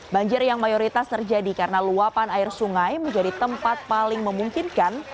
banjir yang mayoritas terjadi karena luapan air sungai menjadi tempat paling memungkinkan